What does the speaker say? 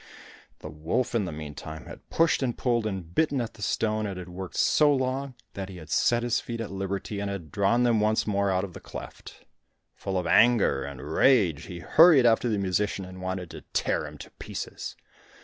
The wolf, in the meantime, had pushed and pulled and bitten at the stone, and had worked so long that he had set his feet at liberty and had drawn them once more out of the cleft. Full of anger and rage he hurried after the musician and wanted to tear him to pieces.